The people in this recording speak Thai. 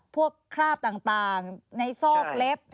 คราบต่างในซอกเล็บ